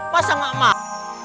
masa gak emak